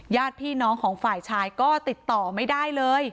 ญาติพี่น้องของฝ่ายชายก็ติดต่อไม่ได้เลย